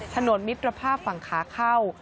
ถนนมิตรภาพฝั่งขาเข้า